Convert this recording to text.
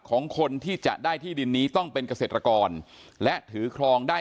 ของคนที่จะได้ที่ดินนี้ต้องเป็นเกษตรกรและถือครองได้